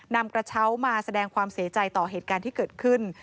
นำกระเช้ามาแสดงความเสียใจต่อเหตุการณ์ที่เกิดขึ้น